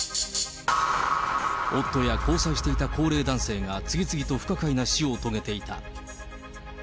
夫や交際していた高齢男性が次々と不可解な死を遂げていた。